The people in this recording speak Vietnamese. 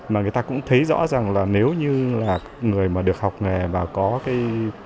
mà người ta cũng thấy rõ rằng là nếu như là người mà được học nghề và có cái